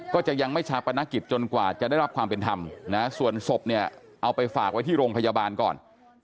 ก็จะยังไม่ชาปนกิจจนกว่าจะได้รับความเป็นธรรมนะส่วนศพเนี่ยเอาไปฝากไว้ที่โรงพยาบาลก่อน